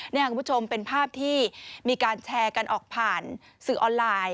นี่คุณผู้ชมเป็นภาพที่มีการแชร์กันออกผ่านสื่อออนไลน์